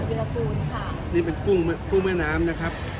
ขนาดวิทยาลัยภูมิค่ะนี่เป็นกุ้งแม่น้ำนะครับ